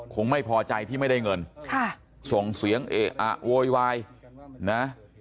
คงไม่พอใจที่ไม่ได้เงินค่ะส่งเสียงเอะอะโวยวายนะ